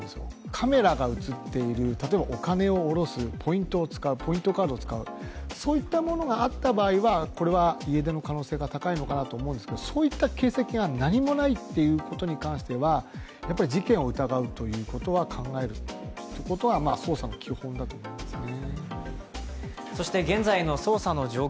カメラが映っている、例えばお金を下ろす、ポイントカードを使う、そういったものがあった場合は家出の可能性が高いのかなと思うんですけど、そういった形跡が何もないということに関しては、事件を疑うということ考えるということは捜査の基本だと思いますね。